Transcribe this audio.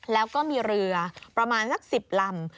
แล้วก็มีเรือประมาณสัก๑๐ลำ